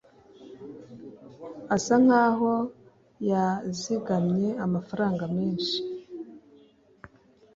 Asa nkaho yazigamye amafaranga menshi.